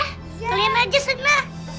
kalian aja sana